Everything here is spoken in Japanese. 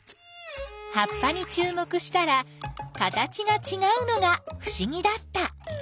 葉っぱにちゅう目したら形がちがうのがふしぎだった。